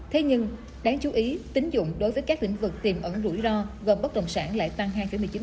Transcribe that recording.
thế nhưng đáng chú ý tính dụng đối với các lĩnh vực tiềm ẩn rủi ro gồm bất động sản lại tăng hai một mươi chín